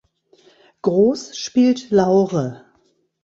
Gross spielt Laure.